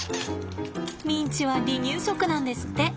ミンチは離乳食なんですって。